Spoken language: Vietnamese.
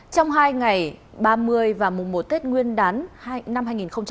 trong hai ngày ba mươi và mùng một tết nguyên đán năm hai nghìn hai mươi